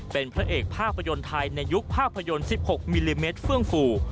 เป็นพระเอกภาพยนตร์ไทยในยุคภาพยนตร์๑๖มิลลิเมตรเฟื่องฟู